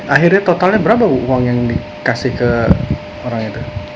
akhirnya totalnya berapa bu uang yang dikasih ke orang itu